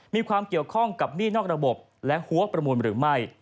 มีความเกี่ยวข้องกับหนี้นอกระบบและหัวประมูลหรือไม่